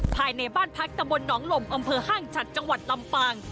ภายในบ้านพักตำบลหนองลมอำเภอห้างฉัดจังหวัดลำปาง